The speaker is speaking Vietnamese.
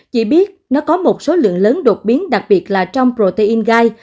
chỉ biết nó có một số lượng lớn đột biến đặc biệt là trong protein gai